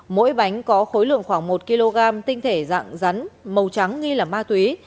mỗi bánh có khối lượng khoảng một kg tinh thể dạng rắn màu trắng nghi là ma túy